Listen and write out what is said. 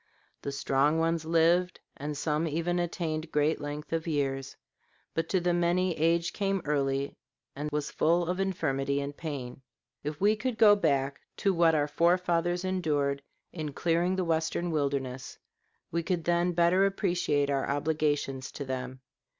The strong ones lived, and some even attained great length of years; but to the many age came early and was full of infirmity and pain. If we could go back to what our fore fathers endured in clearing the Western wilderness, we could then better appreciate our obligations to them.